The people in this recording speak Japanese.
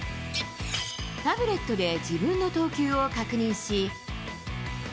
タブレットで自分の投球を確認し。